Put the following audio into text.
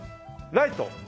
ライト。